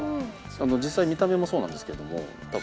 実際見た目もそうなんですけども。